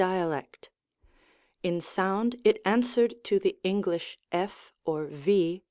213 dialect. In sound it answered to the English F or V.